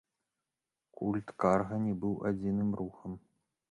Культ карга не быў адзіным рухам.